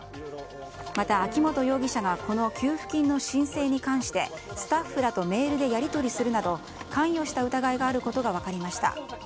また、秋本容疑者がこの給付金の申請に関してスタッフらとメールでやり取りするなど関与した疑いがあることが分かりました。